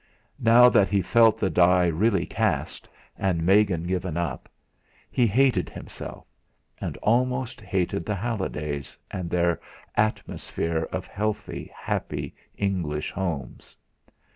Now that he felt the die really cast, and Megan given up, he hated himself, and almost hated the Hallidays and their atmosphere of healthy, happy English homes.